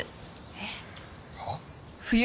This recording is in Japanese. えっ？はっ？